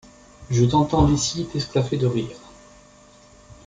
Je t'entends d'ici t'esclaffer de rire.